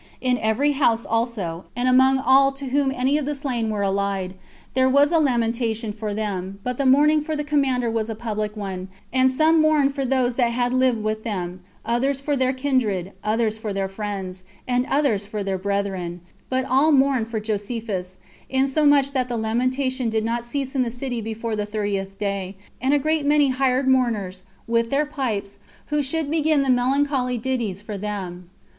In every house also, and among all to whom any of the slain were allied, there was a lamentation for them; but the mourning for the commander was a public one; and some mourned for those that had lived with them, others for their kindred, others for their friends, and others for their brethren, but all mourned for Josephus; insomuch that the lamentation did not cease in the city before the thirtieth day; and a great many hired mourners, with their pipes, who should begin the melancholy ditties for them.